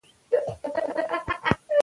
مادي ژبه د پوهې غدر نه جوړوي.